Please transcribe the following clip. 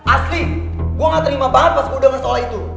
asli gue gak terima banget pas gue denger soal itu